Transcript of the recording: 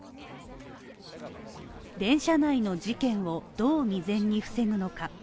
電車内の事件をどう未然に防ぐのか。